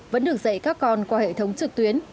vẫn được dạy các con qua hệ thống trực tuyến